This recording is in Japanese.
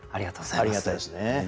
ありがたいですね。